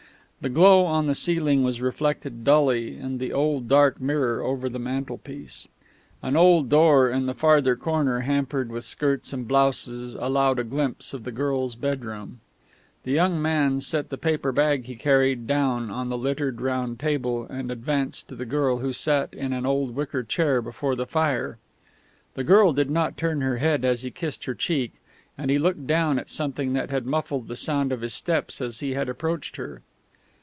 The glow on the ceiling was reflected dully in the old dark mirror over the mantelpiece. An open door in the farther corner, hampered with skirts and blouses, allowed a glimpse of the girl's bedroom. The young man set the paper bag he carried down on the littered round table and advanced to the girl who sat in an old wicker chair before the fire. The girl did not turn her head as he kissed her cheek, and he looked down at something that had muffled the sound of his steps as he had approached her.